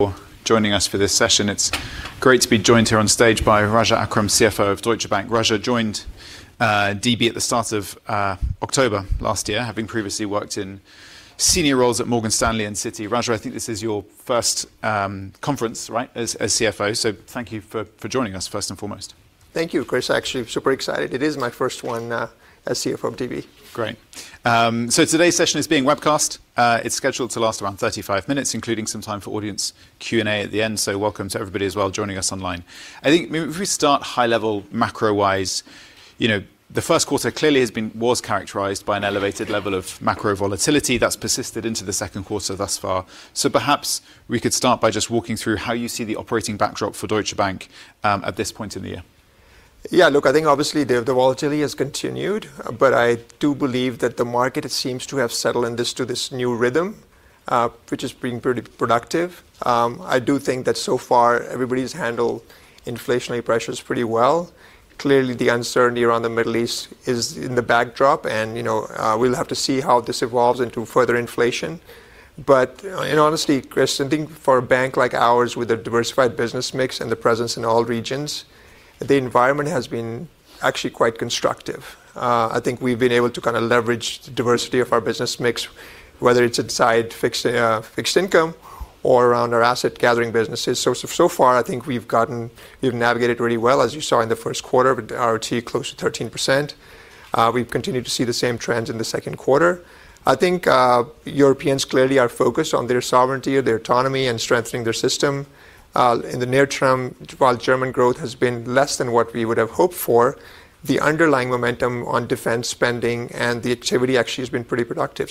For joining us for this session. It's great to be joined here on stage by Raja Akram, CFO of Deutsche Bank. Raja joined DB at the start of October last year, having previously worked in senior roles at Morgan Stanley and Citi. Raja, I think this is your first conference, right, as CFO, thank you for joining us, first and foremost' Thank you, Chris. Actually, super excited. It is my first one as CFO of DB. Great. Today's session is being webcast. It's scheduled to last around 35 minutes, including some time for audience Q&A at the end. Welcome to everybody as well joining us online. I think maybe if we start high level macro-wise, the first quarter clearly was characterized by an elevated level of macro volatility that's persisted into the second quarter thus far. Perhaps we could start by just walking through how you see the operating backdrop for Deutsche Bank at this point in the year. Look, I think obviously the volatility has continued, but I do believe that the market seems to have settled to this new rhythm, which is being pretty productive. I do think that so far everybody's handled inflationary pressures pretty well. Clearly, the uncertainty around the Middle East is in the backdrop and we'll have to see how this evolves into further inflation. In honesty, Chris, I think for a bank like ours with a diversified business mix and the presence in all regions, the environment has been actually quite constructive. I think we've been able to leverage the diversity of our business mix, whether it's inside fixed income or around our asset gathering businesses. So far, I think we've navigated really well, as you saw in the first quarter with ROTE close to 13%. We've continued to see the same trends in the second quarter. I think Europeans clearly are focused on their sovereignty, their autonomy, and strengthening their system. In the near term, while German growth has been less than what we would have hoped for, the underlying momentum on defense spending and the activity actually has been pretty productive.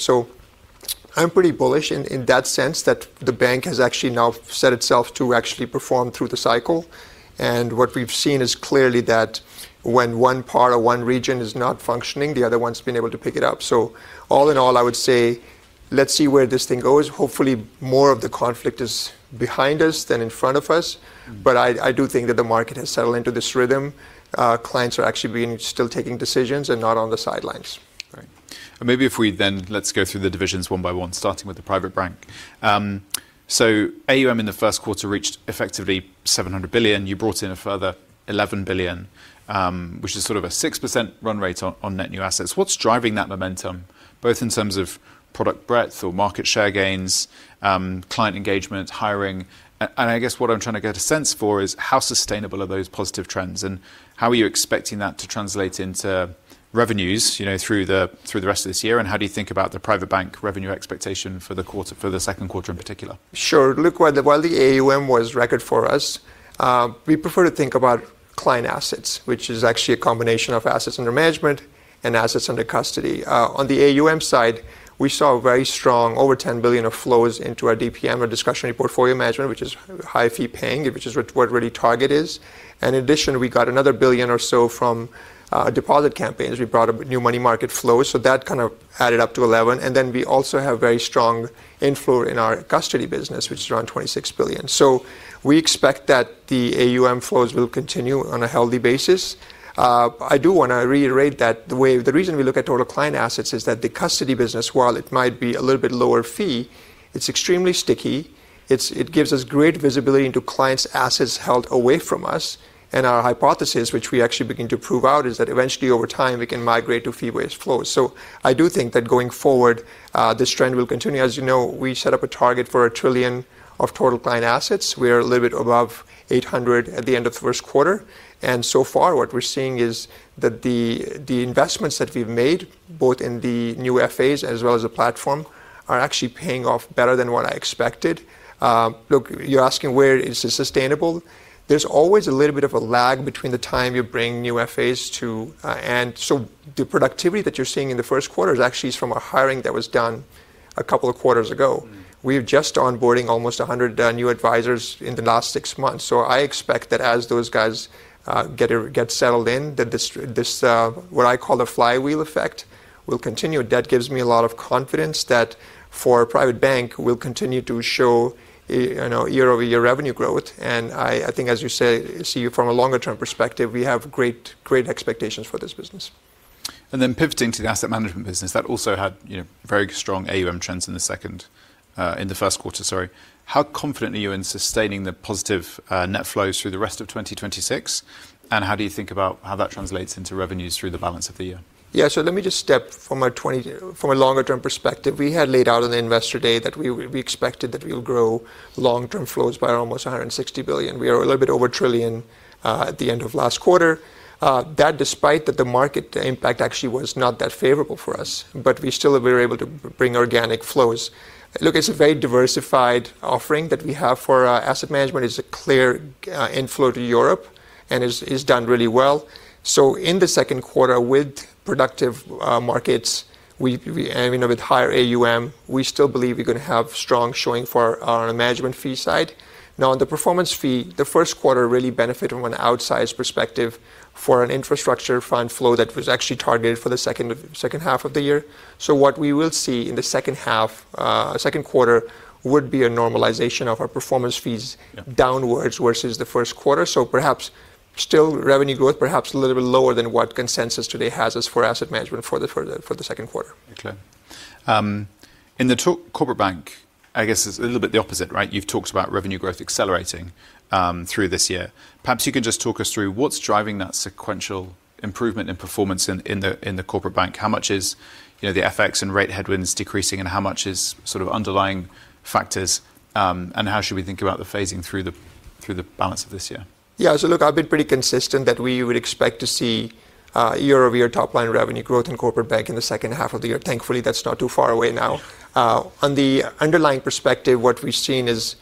I'm pretty bullish in that sense that the bank has actually now set itself to actually perform through the cycle. What we've seen is clearly that when one part or one region is not functioning, the other one's been able to pick it up. All in all, I would say let's see where this thing goes. Hopefully, more of the conflict is behind us than in front of us. I do think that the market has settled into this rhythm. Clients are actually still taking decisions and not on the sidelines. Right. Let's go through the divisions one by one, starting with the private bank. AUM in the first quarter reached effectively 700 billion. You brought in a further 11 billion, which is sort of a 6% run rate on net new assets. What's driving that momentum, both in terms of product breadth or market share gains, client engagement, hiring? I guess what I'm trying to get a sense for is how sustainable are those positive trends, and how are you expecting that to translate into revenues through the rest of this year? How do you think about the private bank revenue expectation for the second quarter in particular? Sure. Look, while the AUM was record for us, we prefer to think about client assets, which is actually a combination of assets under management and assets under custody. On the AUM side, we saw very strong over 10 billion of flows into our DPM, our discretionary portfolio management, which is high fee paying, which is what really target is. In addition, we got another 1 billion or so from deposit campaigns. We brought new money market flows, so that kind of added up to 11. Then we also have very strong inflow in our custody business, which is around 26 billion. We expect that the AUM flows will continue on a healthy basis. I do want to reiterate that the reason we look at total client assets is that the custody business, while it might be a little bit lower fee, it's extremely sticky. It gives us great visibility into clients' assets held away from us. Our hypothesis, which we actually begin to prove out, is that eventually over time, we can migrate to fee-based flows. I do think that going forward, this trend will continue. As you know, we set up a target for 1 trillion of total client assets. We're a little bit above 800 at the end of the first quarter. So far what we're seeing is that the investments that we've made, both in the new FAs as well as the platform, are actually paying off better than what I expected. Look, you're asking where is it sustainable. There's always a little bit of a lag between the time you bring new FAs. The productivity that you're seeing in the first quarter is actually from a hiring that was done a couple of quarters ago. We are just onboarding almost 100 new advisors in the last six months. I expect that as those guys get settled in, that this what I call the flywheel effect will continue. That gives me a lot of confidence that for a private bank will continue to show year-over-year revenue growth. I think as you say, see from a longer-term perspective, we have great expectations for this business. Pivoting to the asset management business, that also had very strong AUM trends in the first quarter. How confident are you in sustaining the positive net flows through the rest of 2026, and how do you think about how that translates into revenues through the balance of the year? Yeah. Let me just step from a longer-term perspective. We had laid out on the Investor Day that we expected that we'll grow long-term flows by almost 160 billion. We are a little bit over 1 trillion at the end of last quarter. That despite that the market impact actually was not that favorable for us, but we still were able to bring organic flows. Look, it's a very diversified offering that we have for asset management. It's a clear inflow to Europe and it's done really well. In the second quarter with productive markets, with higher AUM, we still believe we could have strong showing for our management fee side. Now on the performance fee, the first quarter really benefited from an outsized perspective for an infrastructure fund flow that was actually targeted for the second half of the year. What we will see in the second quarter would be a normalization of our performance fees. Yeah downwards versus the first quarter. Perhaps still revenue growth, perhaps a little bit lower than what consensus today has as for asset management for the second quarter. Okay. In the Corporate Bank, I guess it's a little bit the opposite, right? You've talked about revenue growth accelerating through this year. Perhaps you can just talk us through what's driving that sequential improvement in performance in the Corporate Bank. How much is the FX and rate headwinds decreasing, and how much is sort of underlying factors, and how should we think about the phasing through the balance of this year? Look, I've been pretty consistent that we would expect to see year-over-year top line revenue growth in Corporate Bank in the second half of the year. Thankfully, that's not too far away now. On the underlying perspective, what we've seen is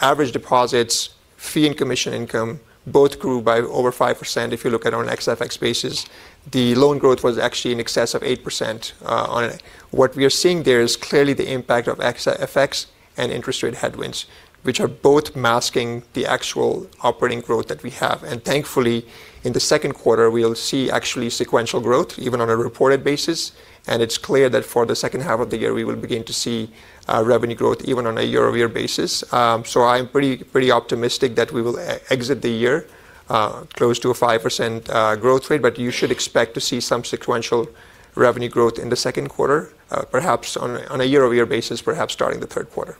average deposits, fee and commission income both grew by over 5% if you look at it on an XFX basis. The loan growth was actually in excess of 8% on it. What we are seeing there is clearly the impact of XFX and interest rate headwinds, which are both masking the actual operating growth that we have. Thankfully, in the second quarter, we'll see actually sequential growth even on a reported basis, and it's clear that for the second half of the year, we will begin to see revenue growth even on a year-over-year basis. I'm pretty optimistic that we will exit the year close to a 5% growth rate, but you should expect to see some sequential revenue growth in the second quarter, perhaps on a year-over-year basis, perhaps starting the third quarter.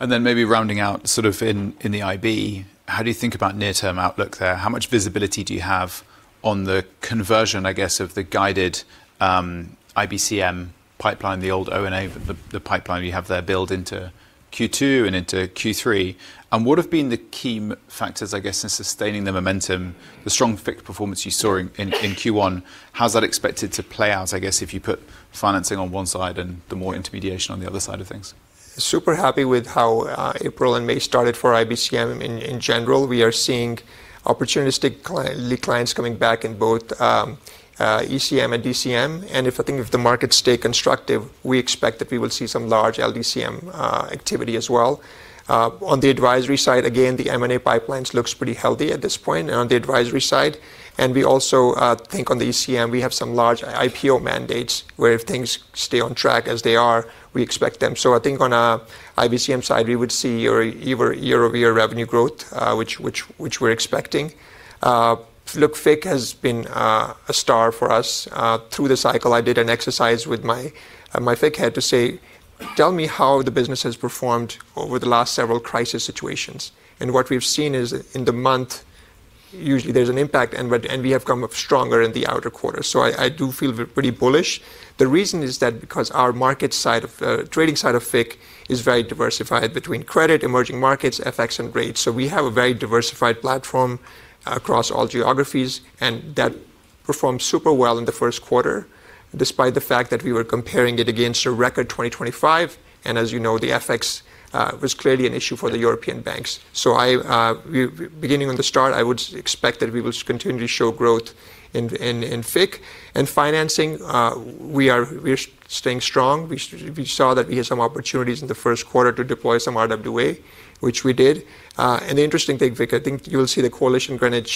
Maybe rounding out sort of in the IB, how do you think about near-term outlook there? How much visibility do you have on the conversion, I guess, of the guided IBCM pipeline, the old O&A, the pipeline you have there build into Q2 and into Q3? What have been the key factors, I guess, in sustaining the momentum, the strong fixed performance you saw in Q1? How's that expected to play out, I guess, if you put financing on one side and the more intermediation on the other side of things? Super happy with how April and May started for IBCM in general. We are seeing opportunistic clients coming back in both ECM and DCM. If I think if the markets stay constructive, we expect that we will see some large LDCM activity as well. On the advisory side, again, the M&A pipelines looks pretty healthy at this point on the advisory side. We also think on the ECM, we have some large IPO mandates where if things stay on track as they are, we expect them. I think on a IBCM side, we would see year-over-year revenue growth, which we're expecting. Look, FIC has been a star for us through the cycle. I did an exercise with my FIC head to say, "Tell me how the business has performed over the last several crisis situations." What we've seen is in the month, usually there's an impact, and we have come up stronger in the outer quarters. I do feel pretty bullish. The reason is that because our trading side of FIC is very diversified between credit, emerging markets, FX, and rates. We have a very diversified platform across all geographies, and that performed super well in the first quarter, despite the fact that we were comparing it against a record 2025. As you know, the FX was clearly an issue for the European banks. Beginning on the start, I would expect that we will continue to show growth in FIC. In financing, we are staying strong. We saw that we had some opportunities in the first quarter to deploy some RWA, which we did. An interesting thing, FI, I think you'll see the Coalition Greenwich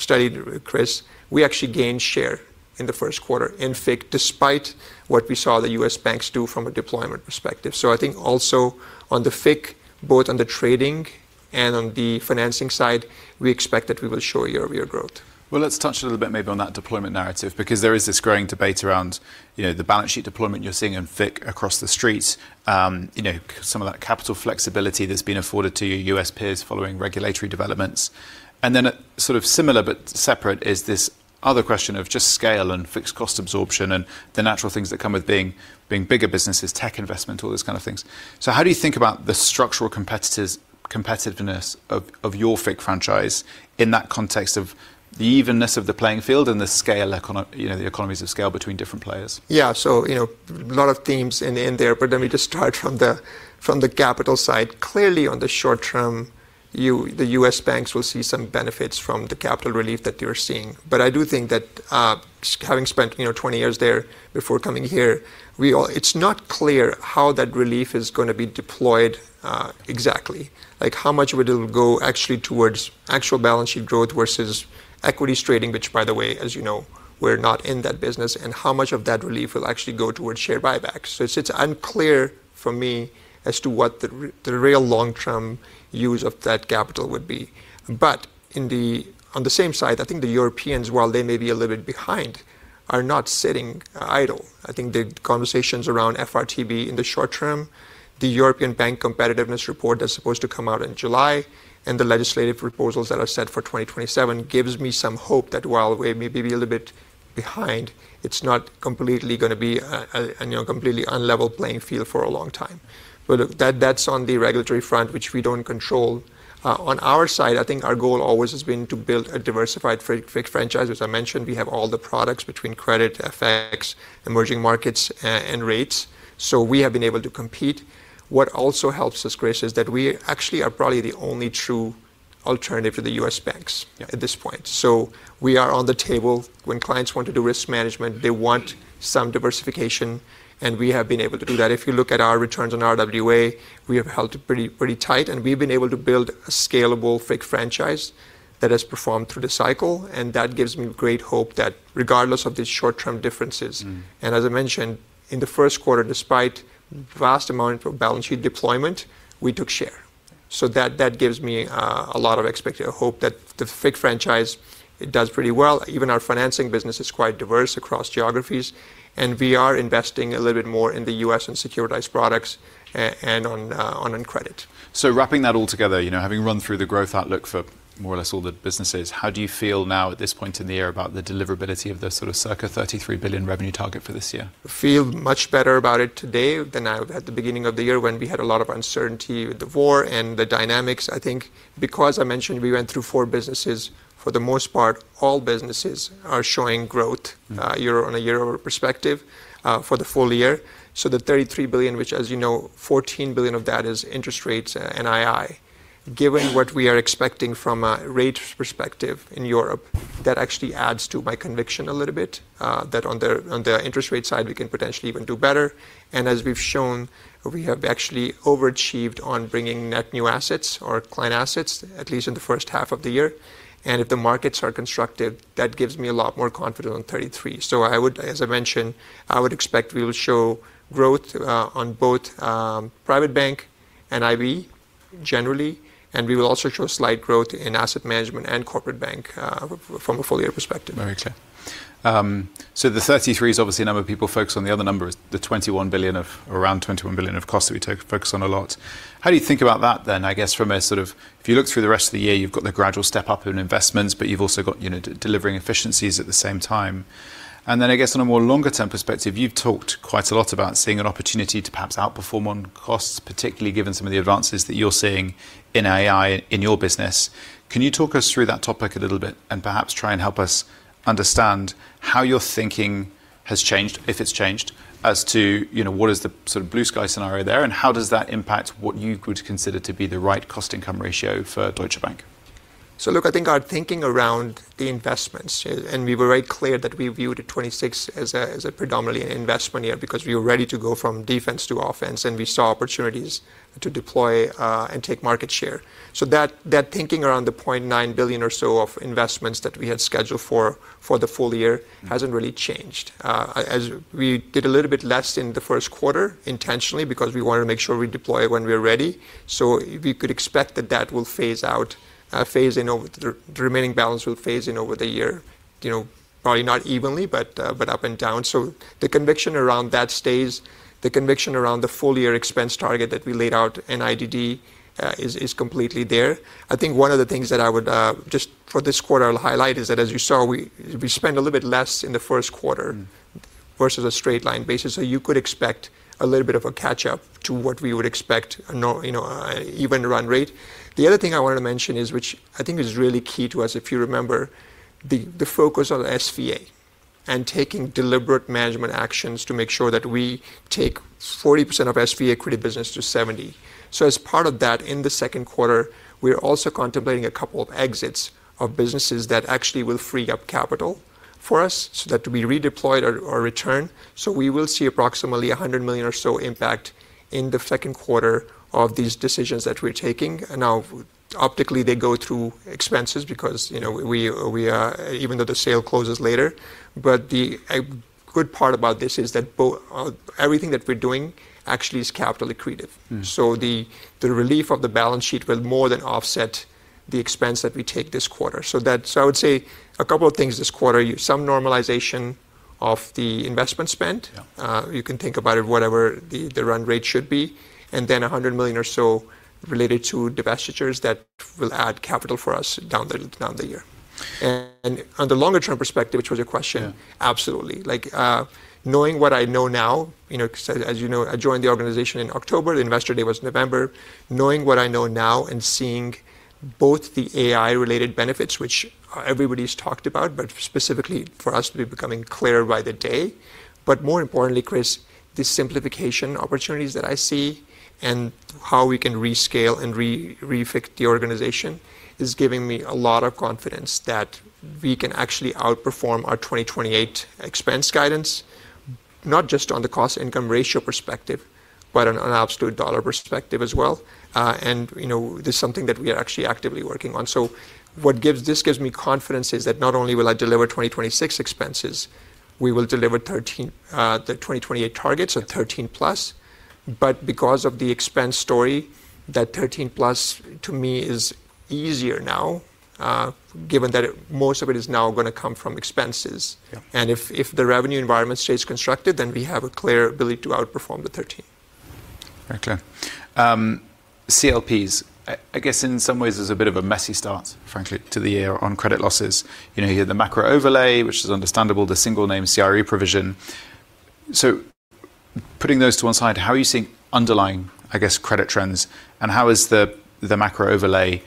study, Chris, we actually gained share in the first quarter in FIC despite what we saw the U.S. banks do from a deployment perspective. I think also on the FIC, both on the trading and on the financing side, we expect that we will show year-over-year growth. Well, let's touch a little bit maybe on that deployment narrative because there is this growing debate around the balance sheet deployment you're seeing in FIC across the street. Some of that capital flexibility that's been afforded to your US peers following regulatory developments. Sort of similar but separate is this other question of just scale and fixed cost absorption and the natural things that come with being bigger businesses, tech investment, all those kind of things. How do you think about the structural competitiveness of your FIC franchise in that context of the evenness of the playing field and the economies of scale between different players? Yeah. A lot of themes in there, but let me just start from the capital side. Clearly, on the short term, the U.S. banks will see some benefits from the capital relief that they're seeing. I do think that having spent 20 years there before coming here, it's not clear how that relief is going to be deployed exactly. Like how much of it will go actually towards actual balance sheet growth versus equities trading, which by the way, as you know, we're not in that business, and how much of that relief will actually go towards share buybacks. It's unclear for me as to what the real long-term use of that capital would be. On the same side, I think the Europeans, while they may be a little bit behind, are not sitting idle. I think the conversations around FRTB in the short term, the European Bank Competitiveness Report that's supposed to come out in July, and the legislative proposals that are set for 2027 gives me some hope that while we may be a little bit behind, it's not completely going to be a completely unlevel playing field for a long time. That's on the regulatory front, which we don't control. On our side, I think our goal always has been to build a diversified FIC franchise. As I mentioned, we have all the products between credit, FX, emerging markets, and rates. We have been able to compete. What also helps us, Chris, is that we actually are probably the only true alternative to the U.S. banks- Yeah at this point. We are on the table. When clients want to do risk management, they want some diversification, and we have been able to do that. If you look at our returns on RWA, we have held it pretty tight, and we've been able to build a scalable FIC franchise that has performed through the cycle, and that gives me great hope that regardless of the short-term differences. As I mentioned, in the first quarter, despite vast amount of balance sheet deployment, we took share. That gives me a lot of hope that the FIC franchise does pretty well. Even our financing business is quite diverse across geographies, and we are investing a little bit more in the U.S. in securitized products and on credit. Wrapping that all together, having run through the growth outlook for more or less all the businesses, how do you feel now at this point in the year about the deliverability of the sort of circa 33 billion revenue target for this year? Feel much better about it today than I would at the beginning of the year when we had a lot of uncertainty with the war and the dynamics. I think because I mentioned we went through four businesses, for the most part, all businesses are showing growth. on a year-over-year perspective for the full year. The 33 billion, which, as you know, 14 billion of that is interest rates and II. Given what we are expecting from a rate perspective in Europe, that actually adds to my conviction a little bit, that on the interest rate side, we can potentially even do better. As we've shown, we have actually overachieved on bringing net new assets or client assets, at least in the first half of the year. If the markets are constructive, that gives me a lot more confidence on 33 billion. As I mentioned, I would expect we will show growth on both Private Bank and IB generally, and we will also show slight growth in Asset Management and Corporate Bank from a full year perspective. Very clear. The 33 is obviously a number of people focus on. The other number is the around 21 billion of costs that we focus on a lot. How do you think about that then? I guess from a sort of If you look through the rest of the year, you've got the gradual step-up in investments, but you've also got delivering efficiencies at the same time. Then I guess on a more longer-term perspective, you've talked quite a lot about seeing an opportunity to perhaps outperform on costs, particularly given some of the advances that you're seeing in AI in your business. Can you talk us through that topic a little bit and perhaps try and help us understand how your thinking has changed, if it's changed, as to what is the sort of blue sky scenario there, and how does that impact what you would consider to be the right cost-income ratio for Deutsche Bank? Look, I think our thinking around the investments, and we were very clear that we viewed 2026 as a predominantly an investment year because we were ready to go from defense to offense and we saw opportunities to deploy and take market share. That thinking around the 0.9 billion or so of investments that we had scheduled for the full year hasn't really changed. We did a little bit less in the first quarter intentionally because we wanted to make sure we deploy when we're ready. We could expect that the remaining balance will phase in over the year. Probably not evenly, but up and down. The conviction around that stays. The conviction around the full-year expense target that we laid out in IDD is completely there. I think one of the things that I would, just for this quarter, I'll highlight is that as you saw, we spent a little bit less in the first quarter versus a straight line basis. You could expect a little bit of a catch-up to what we would expect even around rate. The other thing I wanted to mention is, which I think is really key to us, if you remember the focus on SVA and taking deliberate management actions to make sure that we take 40% of SVA accretive business to 70%. As part of that, in the second quarter, we're also contemplating a couple of exits of businesses that actually will free up capital for us so that we redeploy or return. We will see approximately 100 million or so impact in the second quarter of these decisions that we're taking. Now optically, they go through expenses because even though the sale closes later. A good part about this is that everything that we're doing actually is capital accretive. The relief of the balance sheet will more than offset the expense that we take this quarter. I would say a couple of things this quarter, some normalization of the investment spent. Yeah. You can think about it, whatever the run rate should be, and then 100 million or so related to divestitures that will add capital for us down the year. Yeah absolutely. Knowing what I know now, because as you know, I joined the organization in October, the investor day was November. Knowing what I know now and seeing both the AI-related benefits, which everybody's talked about, but specifically for us will be becoming clear by the day. More importantly, Chris, the simplification opportunities that I see and how we can rescale and refit the organization is giving me a lot of confidence that we can actually outperform our 2028 expense guidance, not just on the cost-income ratio perspective, but on an absolute EUR perspective as well. This is something that we are actually actively working on. What gives me confidence is that not only will I deliver 2026 expenses, we will deliver the 2028 targets of 13+, but because of the expense story, that 13+ to me is easier now, given that most of it is now going to come from expenses. Yeah. If the revenue environment stays constrained, then we have a clear ability to outperform the 13%. Very clear. CLPs. I guess in some ways there's a bit of a messy start, frankly, to the year on credit losses. You had the macro overlay, which is understandable, the single name CRE provision. Putting those to one side, how are you seeing underlying, I guess, credit trends and how is the macro overlay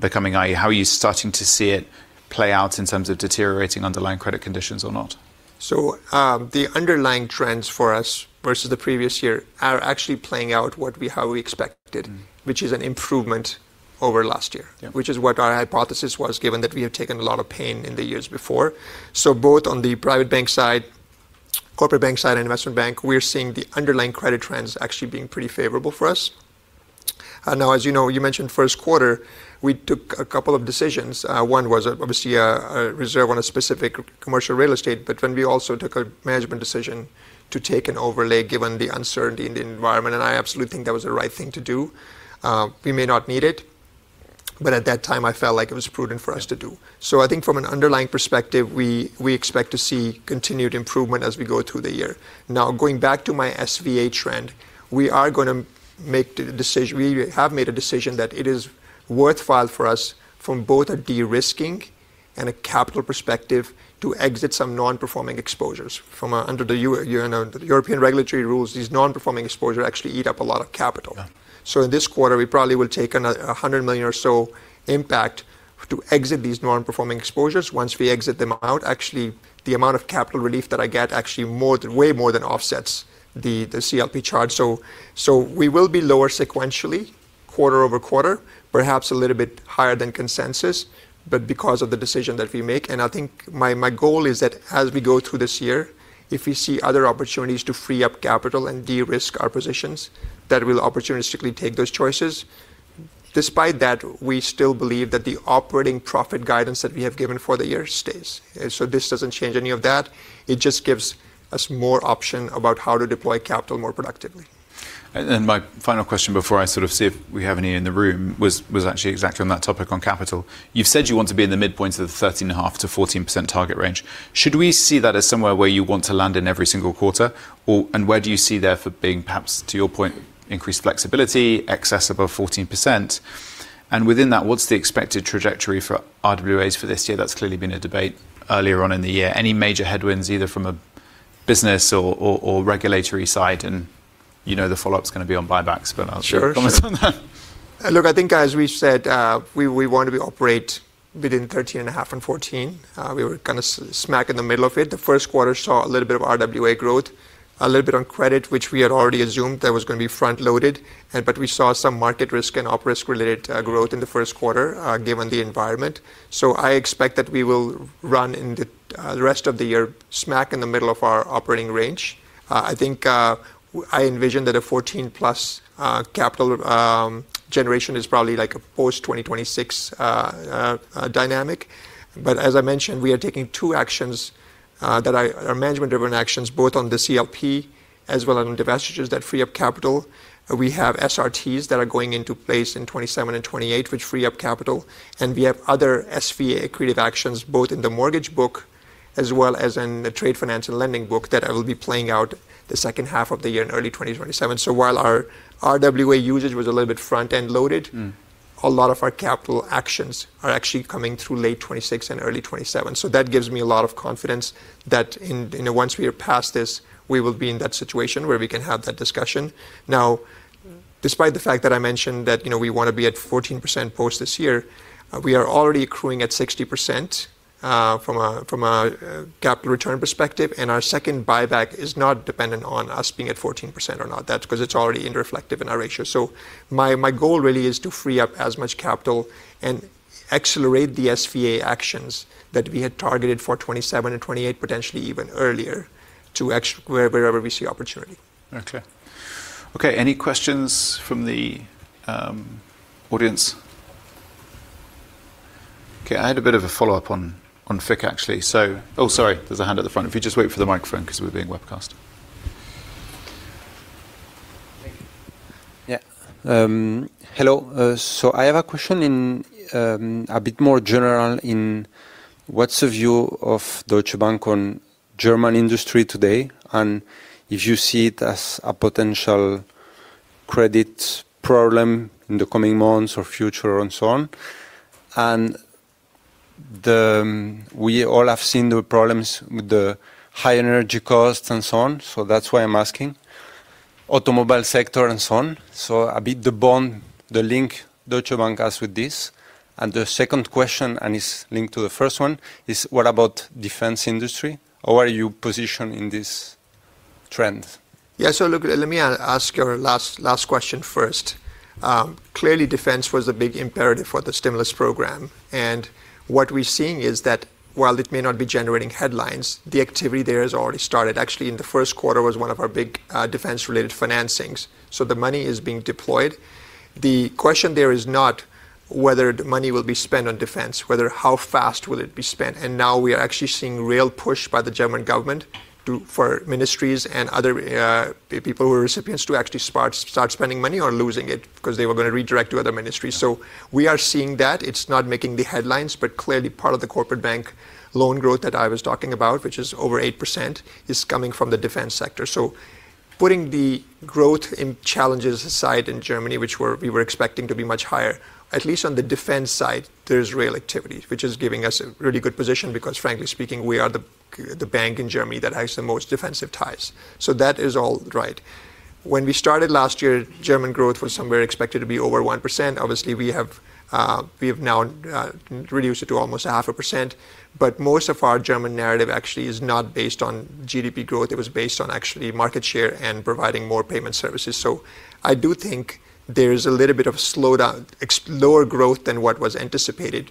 becoming, i.e., how are you starting to see it play out in terms of deteriorating underlying credit conditions or not? The underlying trends for us versus the previous year are actually playing out how we expected. which is an improvement over last year. Yeah. Which is what our hypothesis was, given that we have taken a lot of pain in the years before. Both on the private bank side, corporate bank side, and investment bank, we are seeing the underlying credit trends actually being pretty favorable for us. As you know, you mentioned first quarter, we took a couple of decisions. One was obviously a reserve on a specific commercial real estate, but when we also took a management decision to take an overlay given the uncertainty in the environment, and I absolutely think that was the right thing to do. We may not need it. At that time, I felt like it was prudent for us to do. I think from an underlying perspective, we expect to see continued improvement as we go through the year. Now, going back to my SVA trend, we have made a decision that it is worthwhile for us from both a de-risking and a capital perspective to exit some non-performing exposures. Under the European regulatory rules, these non-performing exposures actually eat up a lot of capital. Yeah. In this quarter, we probably will take a 100 million or so impact to exit these non-performing exposures. Once we exit them out, actually, the amount of capital relief that I get actually way more than offsets the CLP charge. We will be lower sequentially quarter-over-quarter, perhaps a little bit higher than consensus, but because of the decision that we make, and I think my goal is that as we go through this year, if we see other opportunities to free up capital and de-risk our positions, that we'll opportunistically take those choices. Despite that, we still believe that the operating profit guidance that we have given for the year stays. This doesn't change any of that. It just gives us more option about how to deploy capital more productively. My final question before I see if we have any in the room, was actually exactly on that topic on capital. You've said you want to be in the midpoint of the 13.5%-14% target range. Should we see that as somewhere where you want to land in every single quarter? Where do you see there for being perhaps, to your point, increased flexibility, excess above 14%? Within that, what's the expected trajectory for RWAs for this year? That's clearly been a debate earlier on in the year. Any major headwinds, either from a business or regulatory side? You know the follow-up's going to be on buybacks. Sure comment on that. Look, I think as we said, we want to operate within 13.5 and 14. We were kind of smack in the middle of it. The first quarter saw a little bit of RWA growth, a little bit on credit, which we had already assumed that was going to be front-loaded. We saw some market risk and op risk-related growth in the first quarter, given the environment. I expect that we will run in the rest of the year, smack in the middle of our operating range. I envision that a 14-plus capital generation is probably like a post-2026 dynamic. As I mentioned, we are taking two actions that are management-driven actions both on the CLP as well as on divestitures that free up capital. We have SRTs that are going into place in 2027 and 2028, which free up capital, and we have other SVA accretive actions both in the mortgage book as well as in the trade finance and lending book that will be playing out the second half of the year and early 2027. While our RWA usage was a little bit front-end loaded. a lot of our capital actions are actually coming through late 2026 and early 2027. That gives me a lot of confidence that once we are past this, we will be in that situation where we can have that discussion. Despite the fact that I mentioned that we want to be at 14% post this year, we are already accruing at 60% from a capital return perspective, and our second buyback is not dependent on us being at 14% or not. That's because it's already reflective in our ratio. My goal really is to free up as much capital and accelerate the SVA actions that we had targeted for 2027 and 2028, potentially even earlier, to wherever we see opportunity. Okay. Any questions from the audience? Okay, I had a bit of a follow-up on FIC, actually. Oh, sorry. There's a hand at the front. If you just wait for the microphone because we're being webcast. Thank you. Yeah. Hello. I have a question, a bit more general in, what's the view of Deutsche Bank on German industry today, and if you see it as a potential credit problem in the coming months or future and so on? We all have seen the problems with the high energy costs and so on, so that's why I'm asking. Automobile sector and so on. A bit the bond, the link Deutsche Bank has with this. The second question, and it's linked to the first one, is what about defense industry? Are you positioned in this trend? Look, let me ask your last question first. Clearly, defense was a big imperative for the stimulus program. What we're seeing is that while it may not be generating headlines, the activity there has already started. Actually, in the first quarter was one of our big defense-related financings. The money is being deployed. The question there is not whether money will be spent on defense, whether how fast will it be spent. Now we are actually seeing real push by the German government for ministries and other people who are recipients to actually start spending money or losing it because they were going to redirect to other ministries. We are seeing that. It's not making the headlines, but clearly part of the corporate bank loan growth that I was talking about, which is over 8%, is coming from the defense sector. Putting the growth in challenges aside in Germany, which we were expecting to be much higher, at least on the defense side, there's real activity, which is giving us a really good position because frankly speaking, we are the bank in Germany that has the most defensive ties. That is all right. When we started last year, German growth was somewhere expected to be over 1%. Obviously, we have now reduced it to almost half a percent. Most of our German narrative actually is not based on GDP growth. It was based on actually market share and providing more payment services. I do think there's a little bit of slower growth than what was anticipated.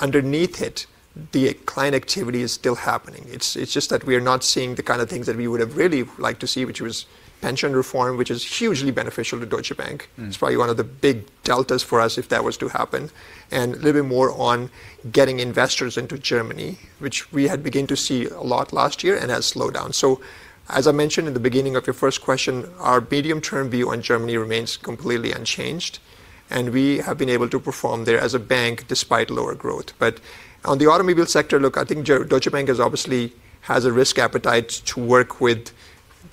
Underneath it, the client activity is still happening. It's just that we are not seeing the kind of things that we would have really liked to see, which was pension reform, which is hugely beneficial to Deutsche Bank. It's probably one of the big deltas for us if that was to happen. A little bit more on getting investors into Germany, which we had begun to see a lot last year and has slowed down. As I mentioned in the beginning of your first question, our medium-term view on Germany remains completely unchanged, and we have been able to perform there as a bank despite lower growth. On the automobile sector, look, I think Deutsche Bank obviously has a risk appetite to work with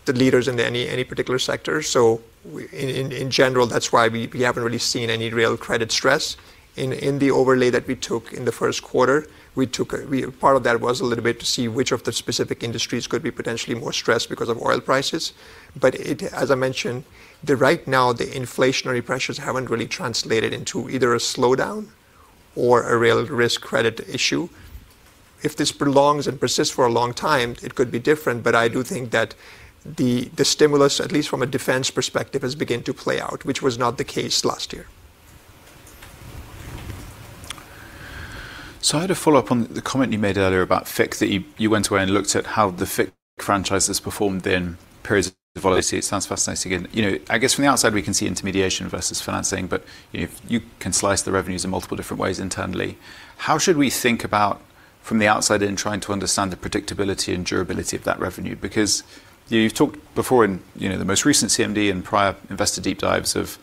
the leaders in any particular sector. In general, that's why we haven't really seen any real credit stress. In the overlay that we took in the first quarter, part of that was a little bit to see which of the specific industries could be potentially more stressed because of oil prices. As I mentioned, right now, the inflationary pressures haven't really translated into either a slowdown or a real risk credit issue. If this prolongs and persists for a long time, it could be different. I do think that the stimulus, at least from a defense perspective, has begun to play out, which was not the case last year. I had a follow-up on the comment you made earlier about FICC, that you went away and looked at how the FICC franchise has performed in periods of volatility. It sounds fascinating. I guess from the outside, we can see intermediation versus financing, but you can slice the revenues in multiple different ways internally. How should we think about from the outside in trying to understand the predictability and durability of that revenue? You've talked before in the most recent CMD and prior Investor Deep Dives of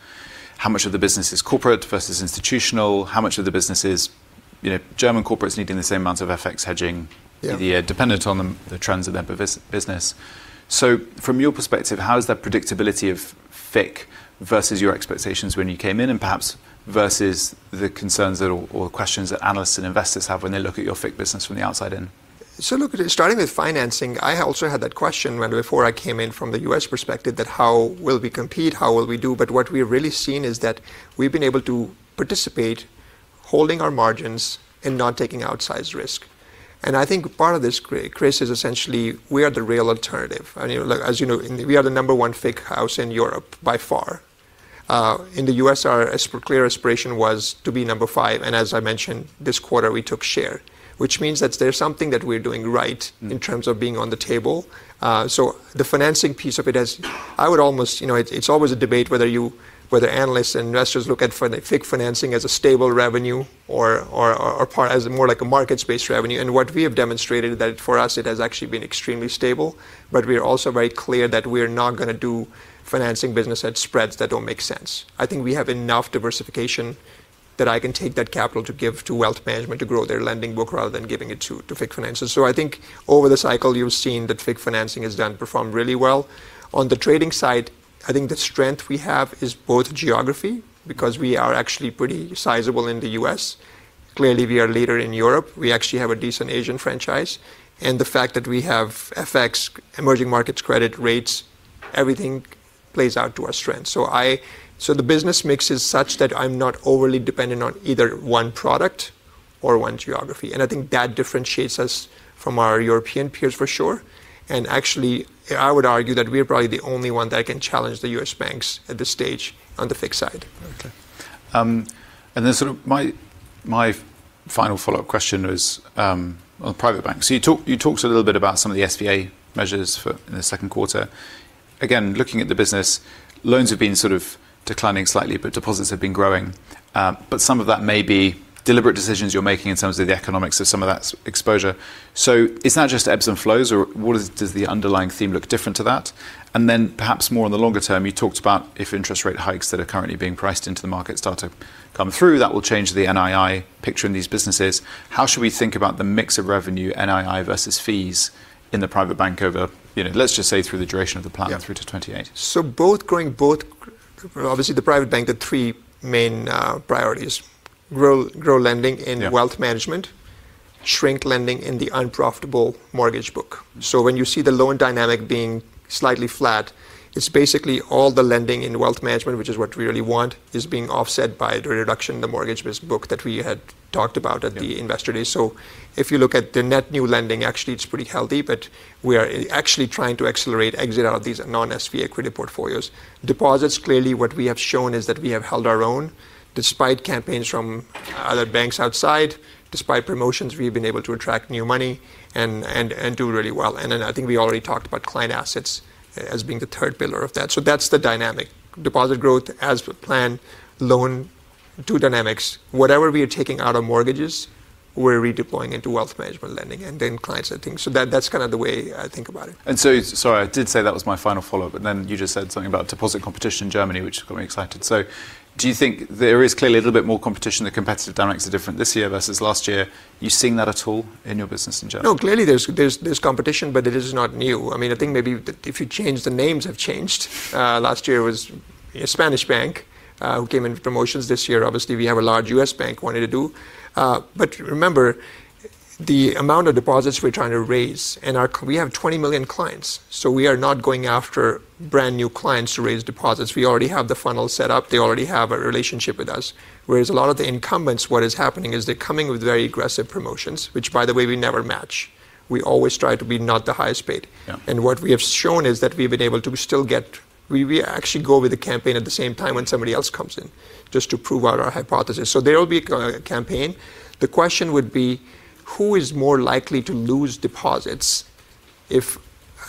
how much of the business is corporate versus institutional, how much of the business is German corporates needing the same amount of FX hedging. Yeah dependent on the trends of their business. From your perspective, how is that predictability of FICC versus your expectations when you came in, and perhaps versus the concerns or questions that analysts and investors have when they look at your FICC business from the outside in? Starting with financing, I also had that question right before I came in from the U.S. perspective that how will we compete, how will we do? What we've really seen is that we've been able to participate, holding our margins and not taking outsized risk. I think part of this, Chris, is essentially we are the real alternative. As you know, we are the number one FICC house in Europe by far. In the U.S., our clear aspiration was to be number five, and as I mentioned this quarter, we took share, which means that there's something that we're doing right in terms of being on the table. The financing piece of it's always a debate whether analysts and investors look at FICC financing as a stable revenue or as more like a market-based revenue. What we have demonstrated that for us, it has actually been extremely stable, but we are also very clear that we are not going to do financing business at spreads that don't make sense. I think we have enough diversification that I can take that capital to give to wealth management to grow their lending book rather than giving it to FICC finances. I think over the cycle, you've seen that FICC financing has done perform really well. On the trading side, I think the strength we have is both geography because we are actually pretty sizable in the U.S. Clearly, we are leader in Europe. We actually have a decent Asian franchise. The fact that we have FX emerging markets credit rates, everything plays out to our strength. The business mix is such that I'm not overly dependent on either one product or one geography, and I think that differentiates us from our European peers for sure. Actually, I would argue that we are probably the only one that can challenge the U.S. banks at this stage on the FICC side. Okay. Sort of my final follow-up question is on private banks. You talked a little bit about some of the SVA measures in the second quarter. Again, looking at the business, loans have been sort of declining slightly, but deposits have been growing. Some of that may be deliberate decisions you're making in terms of the economics of some of that exposure. So it's not just ebbs and flows or does the underlying theme look different to that? Perhaps more on the longer term, you talked about if interest rate hikes that are currently being priced into the market start to come through, that will change the NII picture in these businesses. How should we think about the mix of revenue NII versus fees in the private bank over, let's just say through the duration of the plan- Yeah through to 2028? Both growing. Obviously the Private Bank, the three main priorities, grow lending in wealth management, shrink lending in the unprofitable mortgage book. When you see the loan dynamic being slightly flat, it's basically all the lending in wealth management, which is what we really want, is being offset by the reduction in the mortgage book that we had talked about at the investor day. If you look at the net new lending, actually it's pretty healthy, but we are actually trying to accelerate exit out of these non-SVA credit portfolios. Deposits, clearly what we have shown is that we have held our own despite campaigns from other banks outside, despite promotions, we've been able to attract new money and do really well. Then I think we already talked about client assets as being the third pillar of that. That's the dynamic. Deposit growth as planned. Loan, two dynamics. Whatever we are taking out on mortgages, we're redeploying into wealth management lending and then client settings. That's kind of the way I think about it. Sorry, I did say that was my final follow-up, and then you just said something about deposit competition in Germany, which got me excited. Do you think there is clearly a little bit more competition, the competitive dynamics are different this year versus last year? You seeing that at all in your business in general? No, clearly there's competition, but it is not new. The names have changed. Last year it was a Spanish bank who came in with promotions. This year, obviously we have a large U.S. bank wanting to do. Remember, the amount of deposits we're trying to raise, and we have 20 million clients, so we are not going after brand new clients to raise deposits. We already have the funnel set up. They already have a relationship with us. Whereas a lot of the incumbents, what is happening is they're coming with very aggressive promotions, which by the way, we never match. We always try to be not the highest paid. Yeah. What we have shown is that we've been able to still. We actually go with the campaign at the same time when somebody else comes in just to prove out our hypothesis. There will be a campaign. The question would be who is more likely to lose deposits if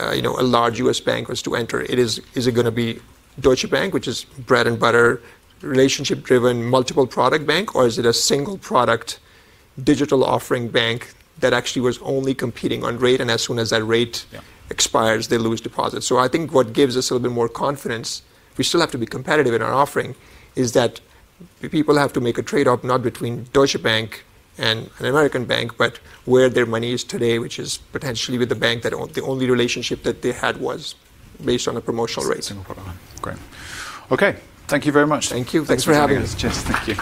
a large U.S. bank was to enter? Is it going to be Deutsche Bank, which is bread-and-butter relationship driven multiple product bank, or is it a single product digital offering bank that actually was only competing on rate and as soon as that rate. Yeah expires, they lose deposits? I think what gives us a little bit more confidence, we still have to be competitive in our offering, is that people have to make a trade-off not between Deutsche Bank and an American bank, but where their money is today, which is potentially with the bank that the only relationship that they had was based on a promotional rate. Single product. Great. Okay. Thank you very much. Thank you. Thanks for having us. Thanks for coming in. Cheers. Thank you.